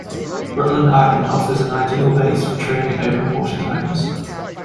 Rutland Island offers an ideal base for training open water divers.